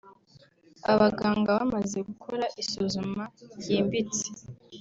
Abaganga bamaze gukora isuzuma ryimbitse